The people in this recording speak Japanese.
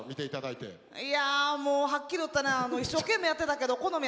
いやもうはっきり言ってね一生懸命やってたけど好みやないな。